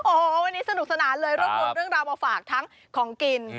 โอ้โหวันนี้สนุกสนานเลยรวบรวมเรื่องราวมาฝากทั้งของกิน